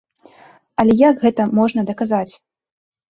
Але як гэта можна даказаць?